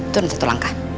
turun satu langkah